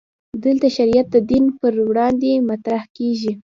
دلته شریعت د دین پر وړاندې مطرح کېږي.